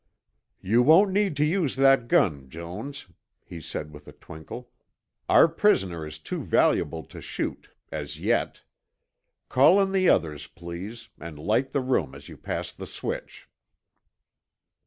"You won't need to use that gun, Jones," he said with a twinkle. "Our prisoner is too valuable to shoot as yet. Call in the others, please, and light the room as you pass the switch."